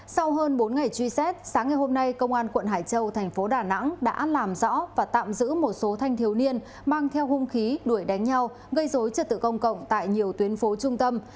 sau hơn bốn ngày truy xét sáng ngày hôm nay công an quận hải châu thành phố đà nẵng đã làm rõ và tạm giữ một số thanh thiếu niên mang theo hung khí đuổi đánh nhau gây dối trật tự công cộng tại nhiều tuyến phố trung tâm